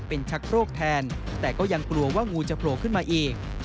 เป็นชักโรคแทนแต่ก็ยังกลัวว่างูจะโผล่ขึ้นมาอีก